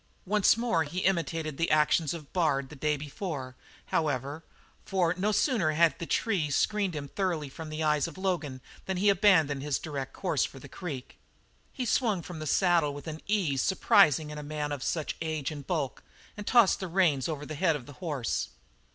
Once more he imitated the actions of Bard the day before, however, for no sooner had the trees screened him thoroughly from the eyes of Logan than he abandoned his direct course for the creek. He swung from the saddle with an ease surprising in a man of such age and bulk and tossed the reins over the head of the horse.